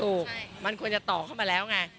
ถูกมันควรจะต่อเข้ามาแล้วไง